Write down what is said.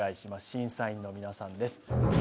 審査員の皆さんです